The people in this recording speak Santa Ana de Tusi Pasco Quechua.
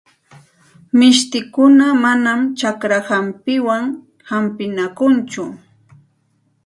Mishtikuna manam chakra hampiwan hampinakunchu.